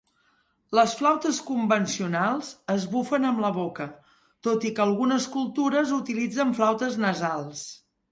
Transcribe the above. Les flautes convencionals es bufen amb la boca, tot i que algunes cultures utilitzen flautes nasals.